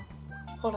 ほら！